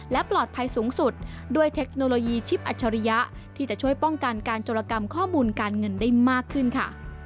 และปลอดภัยสูงสุดด้วยเทคโนโลยีชิปอัจฉริยะที่จะช่วยป้องกันการจรกรรมข้อมูลการเงินได้มากขึ้นค่ะ